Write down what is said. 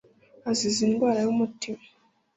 azize indwara z'umutima